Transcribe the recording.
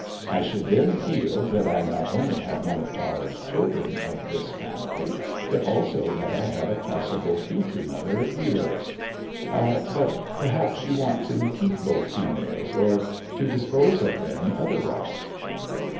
I should then feel that I not only had one of Tara's children of this family, but also that I had a possible future mother of heroes. But perhaps you want to keep both females, or to dispose of them otherwise?"